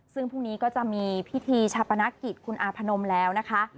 ซึ่งพรุ่งนี้ก็จะมีพิธีชาปนกิจคุณอาพนมแล้วนะคะ